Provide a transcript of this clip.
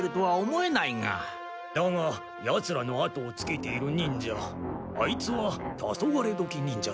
だがヤツらのあとをつけている忍者アイツはタソガレドキ忍者だ。